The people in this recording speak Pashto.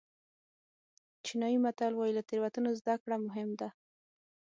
چینایي متل وایي له تېروتنو زده کړه مهم ده.